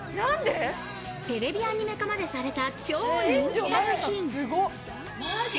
テレビアニメ化までされた超人気作品。